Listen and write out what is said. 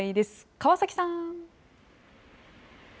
川崎さん。